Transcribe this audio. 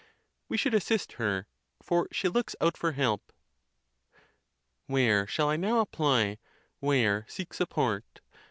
We should assist her, for she looks out for help: Where shall I now apply, where seek support